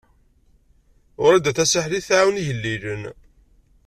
Wrida Tasaḥlit tɛawen igellilen.